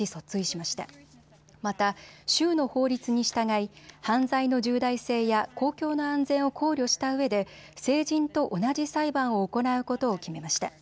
また州の法律に従い犯罪の重大性や公共の安全を考慮したうえで成人と同じ裁判を行うことを決めました。